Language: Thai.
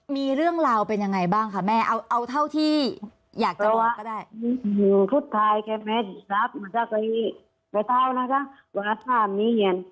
มีเรื่องราวเป็นยังไงบ้างคะแม่เอาเท่าที่อยากจะบอกก็ได้ครับ